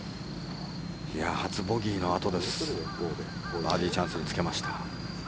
初ボギーのあとでバーディーチャンスにつけました。